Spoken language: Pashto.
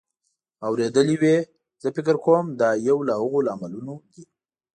اورېدلې وې. زه فکر کوم دا یو له هغو لاملونو دی